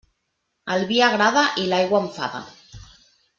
El vi agrada i l'aigua enfada.